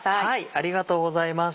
ありがとうございます。